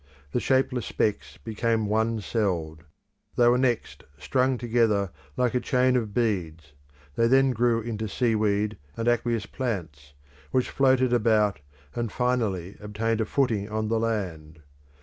The shapeless specks became one celled: they were next strung together like a chain of beads; they then grew into seaweed and aqueous plants, which floated about, and finally obtained a footing on the land.